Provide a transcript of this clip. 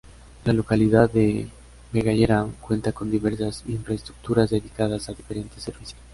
La localidad de Vegallera cuenta con diversas infraestructuras dedicadas a diferentes servicios.